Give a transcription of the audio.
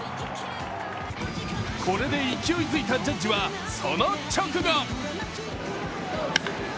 これで勢いづいたジャッジはその直後。